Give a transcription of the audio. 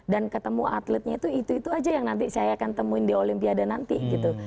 dan ketemu atletnya itu itu aja yang nanti saya akan temuin di olimpiade nanti gitu